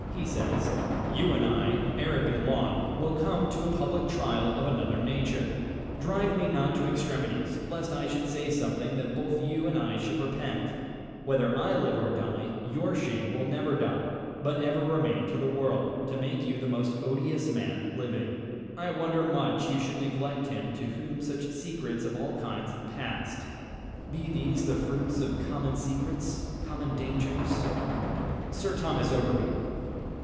He says, "You and I, ere it be long, will come to a public trial of another nature." "Drive me not to extremities, lest I should say something that both you and I should repent." "Whether I live or die, your shame shall never die, but ever remain to the world, to make you the most odious man living." "I wonder much you should neglect him to whom such secrets of all kinds have passed." "Be these the fruits of common secrets, common dangers?" [Illustration: SIR THOMAS OVERBURY.